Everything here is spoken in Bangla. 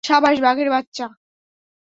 সাবাস, বাঘের বাচ্চা!